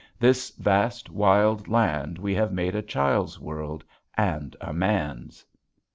This vast, wild land we have made a child's world and a man's.